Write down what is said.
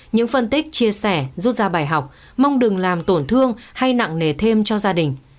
những phân tích chia sẻ rút ra bài học mong đừng làm tổn thương hay nặng nề thêm cho gia đình